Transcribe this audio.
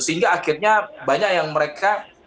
sehingga akhirnya banyak yang mereka